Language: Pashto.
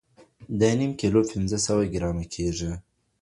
نيم کيلو پنځه سوه ګرامه کیږي.